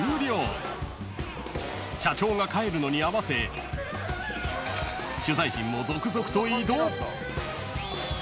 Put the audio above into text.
［社長が帰るのに合わせ取材陣も続々と移動］